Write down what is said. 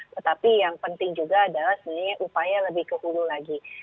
tetapi yang penting juga adalah sebenarnya upaya lebih ke hulu lagi